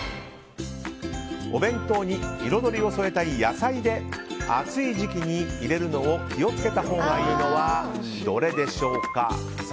お弁当に彩りを添えたい野菜で暑い時期に入れるのを気を付けたほうがいいのはどれでしょうか？